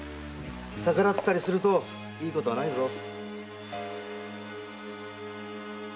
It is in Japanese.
逆らったりするといいことはないぞ。